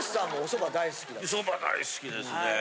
そば大好きですね。